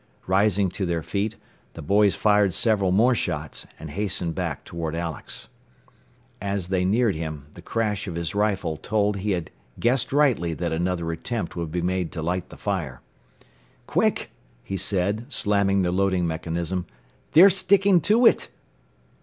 Rising to their feet, the boys fired several more shots, and hastened back toward Alex. As they neared him the crash of his rifle told he had guessed rightly that another attempt would be made to light the fire. "Quick!" he said, slamming the loading mechanism. "They're sticking to it!"